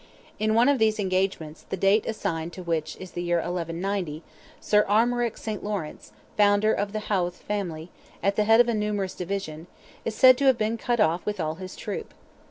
In one of these engagements, the date assigned to which is the year 1190, Sir Armoric St. Laurence, founder of the Howth family, at the head of a numerous division, is said to have been cut off with all his troop.